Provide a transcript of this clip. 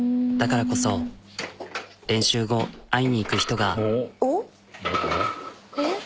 だからこそ練習後会いに行く人が。